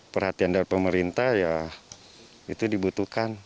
perhatian dari pemerintah ya itu dibutuhkan